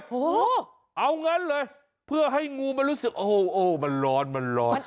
โอ้โหเอางั้นเลยเพื่อให้งูมันรู้สึกโอ้โหมันร้อนมันร้อน